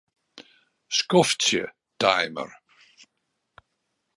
Skoftsje timer.